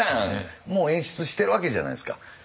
もう演出してるわけじゃないですか。